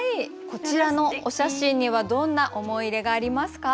こちらのお写真にはどんな思い入れがありますか？